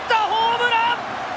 ホームラン！